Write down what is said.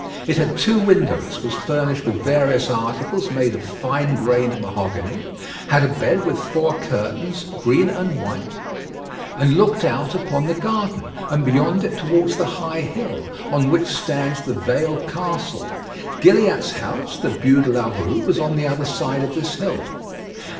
It had two windows, was furnished with various articles made of fine grained mahogany, had a bed with four curtains, green and white, and looked out upon the garden, and beyond it towards the high hill, on which stands the Vale Castle. Gilliatt's house, the Bû de la Rue, was on the other side of this hill.